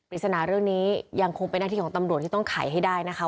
ฤษณาเรื่องนี้ยังคงเป็นหน้าที่ของตำรวจที่ต้องไขให้ได้นะคะ